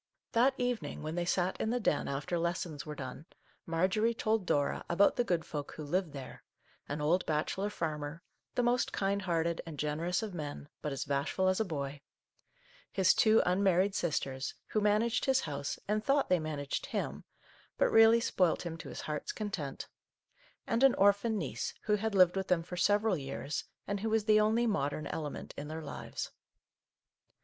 That evening, when they sat in the Den after lessons were done, Marjorie told Dora about the good folk who lived there, — an old bachelor farmer, the most kind hearted and generous of men, but as bashful as a boy ; his two unmarried sisters, who managed his house and thought they managed him, but really spoilt him to his heart's content ; and an orphan niece, who had lived with them for several years, and who was the only modern element in their lives.